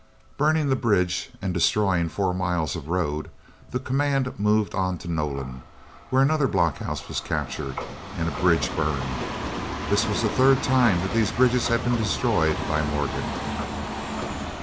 Burning the bridge and destroying four miles of road, the command moved on to Nolan, where another block house was captured and a bridge burned. This was the third time that these bridges had been destroyed by Morgan.